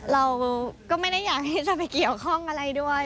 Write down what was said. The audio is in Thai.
เราก็ไม่ได้อยากที่จะไปเกี่ยวข้องอะไรด้วย